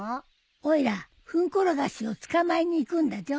おいらフンコロガシを捕まえに行くんだじょ。